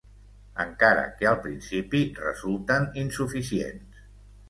Encara que al principi resulten insuficients